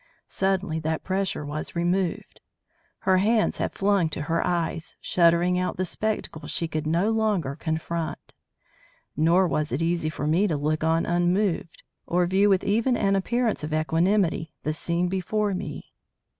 Suddenly that pressure was removed. Her hands had flown to her eyes, shutting out the spectacle she could no longer confront. Nor was it easy for me to look on unmoved, or view with even an appearance of equanimity the scene before me.